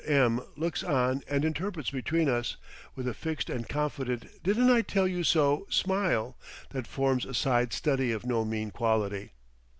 M looks on and interprets between us, with a fixed and confident didn't I tell you so smile, that forms a side study of no mean quality.